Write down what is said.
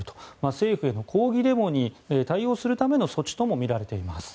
政府への抗議デモに対応するための措置ともみられています。